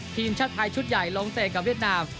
ทีมชาติไทยชุดใหญ่ลงเตะกับเวียดนาม